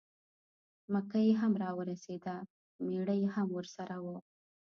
مکۍ هم را ورسېده مېړه یې هم ورسره و.